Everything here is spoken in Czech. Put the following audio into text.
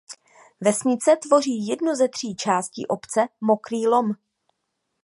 Vesnice tvoří jednu ze tří částí obce Mokrý Lom.